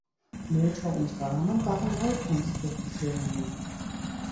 Motor und Rahmen waren Neukonstruktionen.